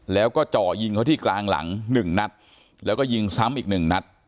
แล้วก็เจาะยิงเขาที่กลางหลังหนึ่งนัดแล้วก็ยิงซ้ำอีกหนึ่งนัด